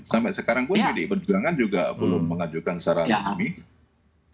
sampai sekarang pun pdi berjuangan juga belum mengajukan secara resmi